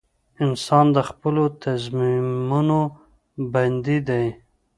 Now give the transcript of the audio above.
• انسان د خپلو تصمیمونو بندي دی.